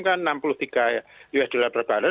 kan enam puluh tiga usd berbaloi